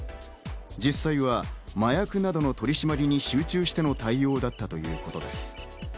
実際は麻薬などの取り締まりに集中しての対応だったということです。